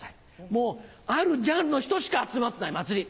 もうあるジャンルの人しか集まってない祭り。